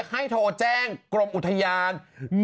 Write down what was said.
ให้โทรแจ้งกรมอุทยาน